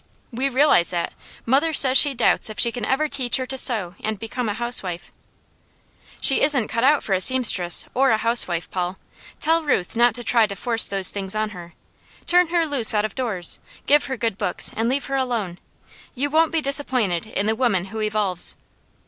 "We realize that. Mother says she doubts if she can ever teach her to sew and become a housewife." "She isn't cut out for a seamstress or a housewife, Paul. Tell Ruth not to try to force those things on her. Turn her loose out of doors; give her good books, and leave her alone. You won't be disappointed in the woman who evolves."